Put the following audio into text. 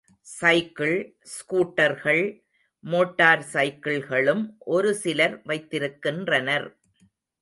Cycle, ஸ்கூட்டர்கள், motor சைக்கிள்களும் ஒரு சிலர் வைத்திருக்கின்றனர்.